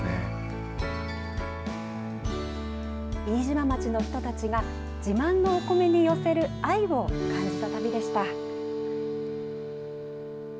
飯島町の人たちが、自慢のお米に寄せる愛を感じた旅でした。